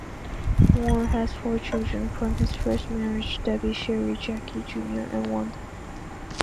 Moore has four children from his first marriage: Debbby, Sherry, Jackie Junior and Wanda.